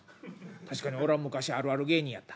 確かに俺は昔あるある芸人やった。